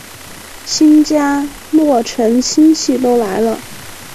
新家落成亲戚都来了